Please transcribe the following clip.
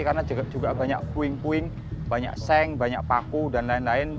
karena juga banyak puing puing banyak seng banyak paku dan lain lain